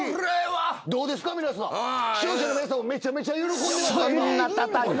視聴者の皆さんもめちゃめちゃ喜んでますよ。